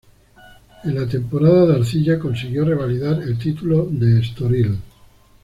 En la temporada de arcilla consiguió revalidar el título de Estoril.